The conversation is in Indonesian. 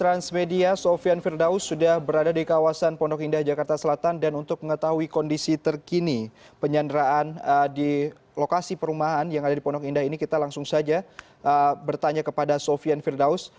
transmedia sofian firdaus sudah berada di kawasan pondok indah jakarta selatan dan untuk mengetahui kondisi terkini penyanderaan di lokasi perumahan yang ada di pondok indah ini kita langsung saja bertanya kepada sofian firdaus